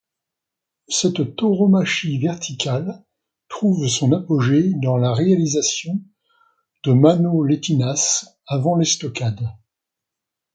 Cette tauromachie verticale trouve son apogée dans la réalisation de manoletinas avant l'estocade.